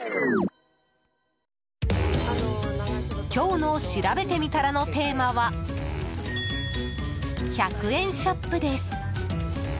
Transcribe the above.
今日のしらべてみたらのテーマは１００円ショップです。